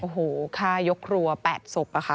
โอ้โหฆ่ายกครัว๘ศพอะค่ะ